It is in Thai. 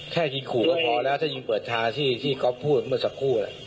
แค่ยิงขู่ก็พอแล้วถ้ายิงเปิดทางที่ก๊อฟพูดเมื่อสักครู่